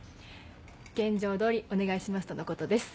「現状通りお願いします」とのことです。